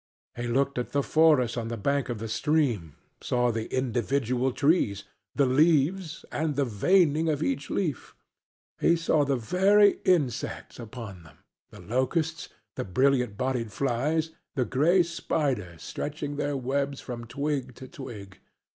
He looked at the forest on the bank of the stream, saw the individual trees, the leaves and the veining of each leaf saw the very insects upon them: the locusts, the brilliant bodied flies, the gray spiders stretching their webs from twig to twig.